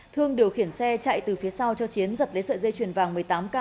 thương điều khiển xe chạy từ phía sau cho chiến giật lấy sợi dây chuyền vàng một mươi tám k